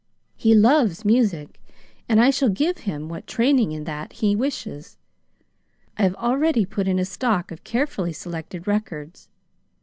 He loves music, and I shall give him what training in that he wishes. I have already put in a stock of carefully selected records.